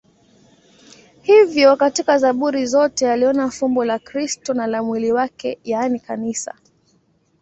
Hivyo katika Zaburi zote aliona fumbo la Kristo na la mwili wake, yaani Kanisa.